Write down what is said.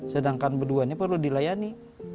sedangkan berduanya perlu dilayani